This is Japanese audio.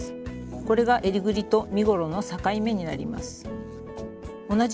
これがえりぐりと身ごろの境目になります。